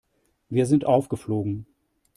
Wir sind aufgeflogen.